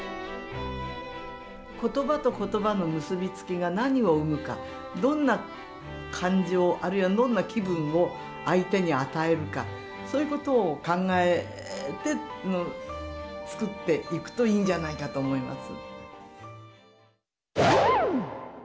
ことばとことばの結びつきが何を生むか、どんな感情、あるいはどんな気分を相手に与えるか、そういうことを考えて作っていくといいんじゃないかと思います。